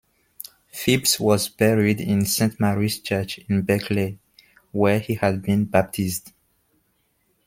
Phipps was buried in Saint Mary's church in Berkeley, where he had been baptised.